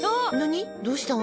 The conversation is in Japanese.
どうしたん？